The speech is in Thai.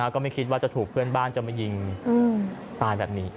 ก็ไม่คิดว่าจะถูกเพื่อนบ้านจะมายิงตายแบบนี้